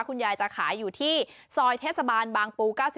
คุณยายจะขายอยู่ที่ซอยเทศบาลบางปู๙๑